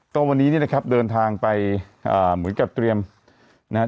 ก็วันนี้เนี่ยนะครับเดินทางไปเหมือนกับเตรียมนะฮะ